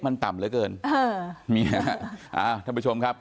มันต่ำหรือเกินเอ่อมีนะฮะอ่าท่านประชมครับใคร